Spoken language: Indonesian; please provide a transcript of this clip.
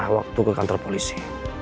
waktu ke kantor polisi